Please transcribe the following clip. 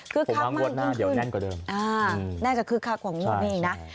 คือคลักมากขึ้นขึ้นเดี๋ยวแน่นกว่าเดิมอ่าน่าจะคือคลักของโลกนี้เองนะ